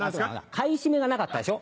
買い占めがなかったでしょ。